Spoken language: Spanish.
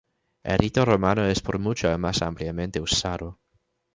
El rito romano es por mucho el más ampliamente usado.